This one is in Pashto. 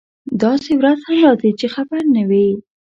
داسې ورځ هم راځي چې خبر نه وي.